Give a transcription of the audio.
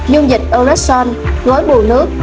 dung dịch oreson gối bù nước